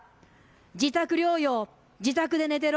自宅療養、自宅で寝てろ。